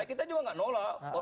kita juga enggak nolak